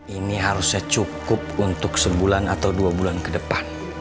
ini harusnya cukup untuk sebulan atau dua bulan ke depan